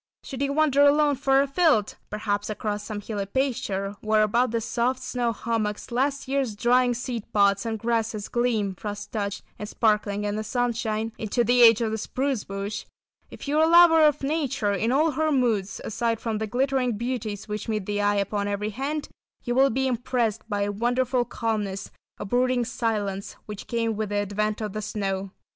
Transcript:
Low altitude type] Should you wander alone far afield, perhaps across some hilly pasture where above the soft snow hummocks last year's drying seed pods and grasses gleam frost touched and sparkling in the sunshine, into the edge of the "spruce bush," if you are a lover of nature in all her moods, aside from the glittering beauties which meet the eye upon every hand, you will be impressed by a wonderful calmness, a brooding silence, which came with the advent of the snow.